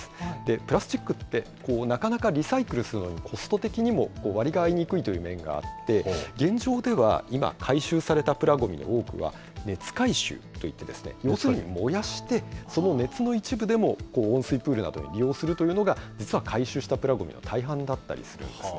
プラスチックって、なかなかリサイクルするのに、コスト的にもわりが合いにくいという面があって、現状では、今、回収されたプラごみの多くは、熱回収といって、要するに燃やして、その熱の一部でも温水プールなどを利用するというのが、実は回収したプラごみの大半だったりするんですね。